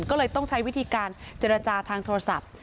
ก็เลยต้องใช้วิธีการเจรจาทางโทรศัพท์